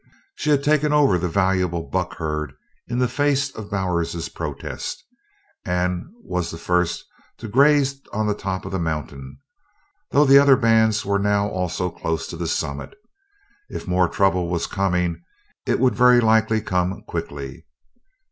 She had taken over the valuable buck herd in the face of Bowers's protest, and was the first to graze on the top of the mountain, though the other bands were now also close to the summit. If more trouble was coming, it would very likely come quickly.